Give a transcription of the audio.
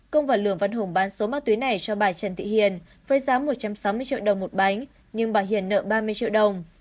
công và lường văn hùng bán số ma túy này cho bà trần thị hiền với giá một trăm sáu mươi triệu đồng một bánh nhưng bà hiền nợ ba mươi triệu đồng